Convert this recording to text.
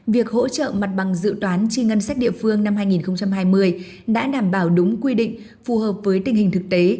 việc hỗ trợ mặt bằng dự toán chi ngân sách địa phương năm hai nghìn hai mươi đã đảm bảo đúng quy định phù hợp với tình hình thực tế